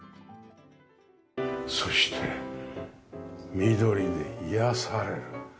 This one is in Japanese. そして緑に癒やされる。